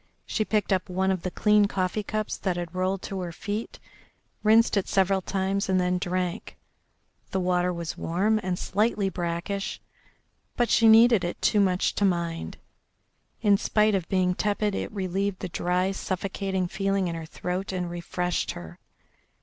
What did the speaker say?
She picked up one of the clean coffee cups that had rolled to her feet, rinsed it several times, and then drank. The water was warm and slightly brackish, but she needed it too much to mind. In spite of being tepid it relieved the dry, suffocating feeling in her throat and refreshed her.